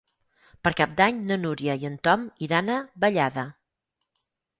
Per Cap d'Any na Núria i en Tom iran a Vallada.